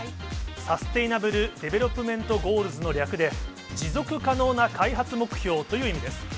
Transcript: サステイナブル・デベロップメント・ゴールズの略で、持続可能な開発目標という意味です。